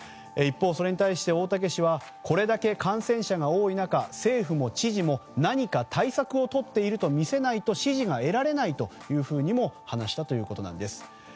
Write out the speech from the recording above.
一方、それに対して大竹氏はこれだけ感染者が多い中政府も知事も何か対策をとっていると見せないと支持が得られないというふうにも話したということです。